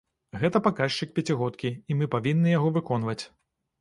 Гэта паказчык пяцігодкі, і мы павінны яго выконваць.